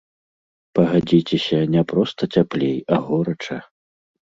Пагадзіцеся, не проста цяплей, а горача!